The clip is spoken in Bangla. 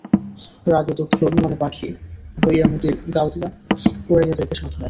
রাগে দুঃখে অভিমানে পাখি হইয়া মতির গাওদিয়া উড়িয়া যাইতে সাধ হয়।